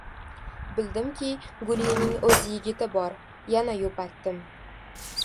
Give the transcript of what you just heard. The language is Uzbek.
Bildimki, Gulining o‘z «yigiti» bor. Yana yupatdim.